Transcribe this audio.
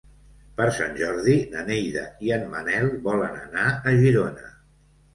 Per Sant Jordi na Neida i en Manel volen anar a Girona.